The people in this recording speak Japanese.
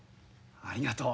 ありがとう。